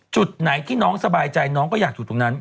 จุดไหนที่น้องสบายใจน้องก็อยากอยู่ตรงนั้น